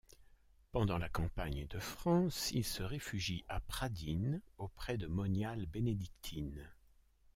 Pendant la campagne de France, il se réfugie à Pradines auprès de moniales bénédictines.